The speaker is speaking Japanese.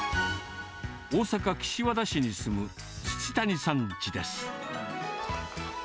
大阪・岸和田市に住む土谷さんちです。